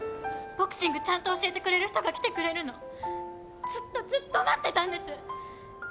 ボクシングちゃんと教えてくれる人が来てくれるのずっとずっと待ってたんです！